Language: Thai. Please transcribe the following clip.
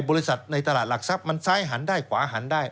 บริษัทในตลาดหลักทรัพย์มันซ้ายหันได้ขวาหันได้